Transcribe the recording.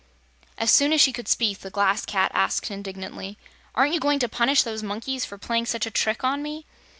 As soon as she could speak the Glass Cat asked indignantly: "Aren't you going to punish those monkeys for playing such a trick on me?"